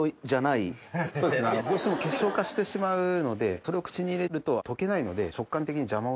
そうですねどうしても結晶化してしまうのでそれを口に入れると溶けないので。